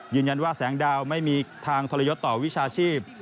ยืนยันว่าแสงดาวไม่มีทางทรยศต่อวิชาชีพ